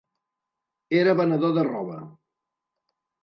Era venedor de roba.